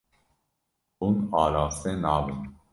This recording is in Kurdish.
Hûn araste nabin.